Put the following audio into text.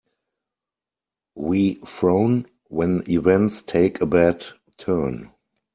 We frown when events take a bad turn.